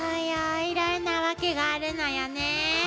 いろんなワケがあるのよね。